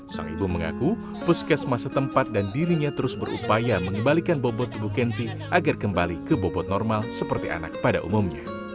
sang ibu mengaku puskesma setempat dan dirinya terus berupaya mengembalikan bobot tubuh kenzi agar kembali ke bobot normal seperti anak pada umumnya